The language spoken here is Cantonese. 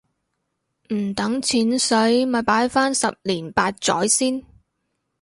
唔等錢洗咪擺返十年八載先